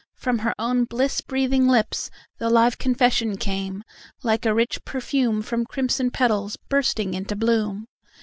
From her own bliss breathing lipsThe live confession came, like rich perfumeFrom crimson petals bursting into bloom!